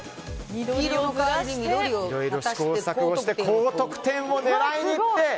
いろいろ試行錯誤して高得点を狙いにいって。